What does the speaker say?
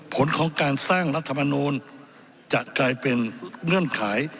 ผลของการสร้างรัฐมนูลจะกลายเป็นเงื่อนไข